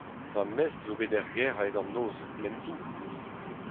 Va mestr zo bet er gêr a-hed an noz, m'en tou.